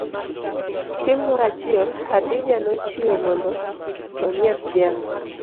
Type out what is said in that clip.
Chieng' moro achiel, Hadija nochiewo mondo onyiedh dhiang.